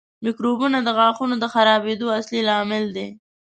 میکروبونه د غاښونو د خرابېدو اصلي لامل دي.